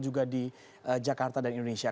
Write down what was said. juga di jakarta dan indonesia